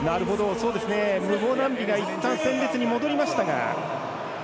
ムボナンビがいったん戦列に戻りましたが。